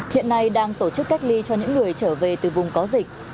hiện nay đang tổ chức cách ly cho những người trở về từ vùng có dịch